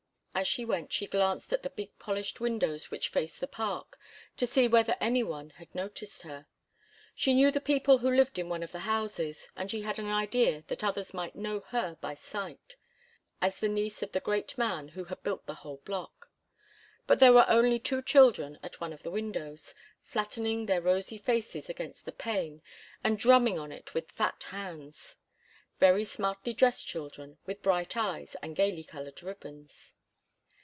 As she went she glanced at the big polished windows which face the Park, to see whether any one had noticed her. She knew the people who lived in one of the houses, and she had an idea that others might know her by sight, as the niece of the great man who had built the whole block. But there were only two children at one of the windows, flattening their rosy faces against the pane and drumming on it with fat hands; very smartly dressed children, with bright eyes and gayly coloured ribbons.